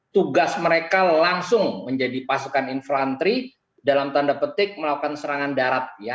tugas mereka langsung menjadi pasukan infrantri dalam tanda petik melakukan serangan darat